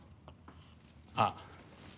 あっ。